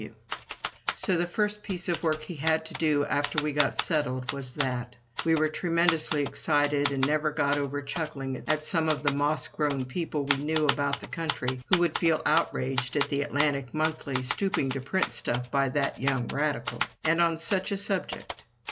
W.!!" So the first piece of work he had to do after we got settled was that. We were tremendously excited, and never got over chuckling at some of the moss grown people we knew about the country who would feel outraged at the "Atlantic Monthly" stooping to print stuff by that young radical. And on such a subject!